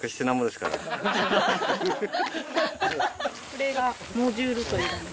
これがモジュールと呼ばれる。